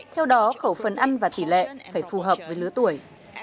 theo đó khẩu phần ăn và tỷ lệ phải phù hợp với lứa tuổi